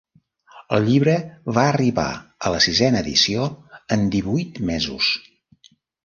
El llibre va arribar a la sisena edició en divuit mesos.